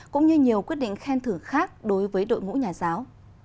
cũng như nhiều quyết định khen thử khác đối với đội ngũ nhà giáo